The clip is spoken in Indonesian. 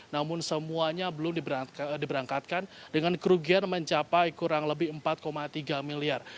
namun semuanya belum diberangkatkan dengan kerugian mencapai kurang lebih empat tiga miliar